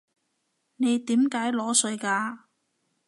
你點解裸睡㗎？